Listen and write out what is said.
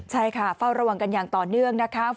ใช่ค่ะเฝ้าระวังกันอย่างต่อเนื่องนะคะ